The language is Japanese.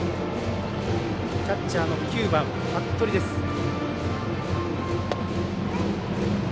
キャッチャーの９番、服部です。